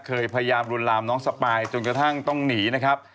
พยายามลวนลามน้องสปายจนกระทั่งต้องหนีนะครับ